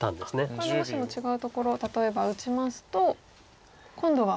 これでもしも違うところ例えば打ちますと今度は眼があると。